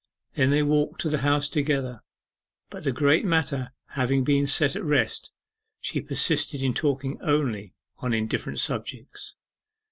Then they walked to the house together, but the great matter having been set at rest, she persisted in talking only on indifferent subjects.